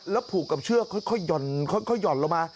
แล้วผูกกับเชือกค่อยห่อนลงมา